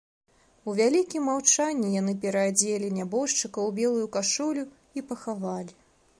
У вялікім маўчанні яны пераадзелі нябожчыка ў белую кашулю і пахавалі.